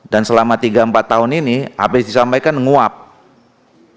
dan selama tiga empat tahun ini habis disampaikan enggak ada lagi